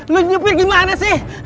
lo nyepir gimana sih